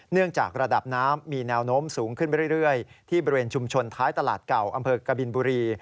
เนื่องจากระดับน้ำมีแนวโน้มสูงขึ้นไปเรื่อยที่บริเวณชุมชนท้ายตลาดเก่าอำเภอกบินบุรี